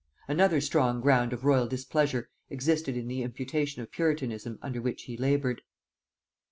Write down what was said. Another strong ground of royal displeasure existed in the imputation of puritanism under which he labored.